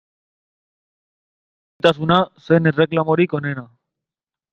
Gerraosteko urritasuna zen erreklamorik onena.